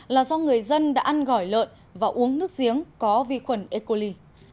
là do người dân đã ăn gỏi lợn và uống nước giếng có vi khuẩn e coli